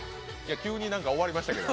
急に終わりましたけど。